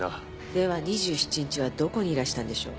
では２７日はどこにいらしたんでしょう？